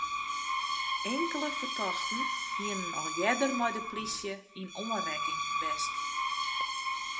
Inkelde fertochten hiene al earder mei de plysje yn oanrekking west.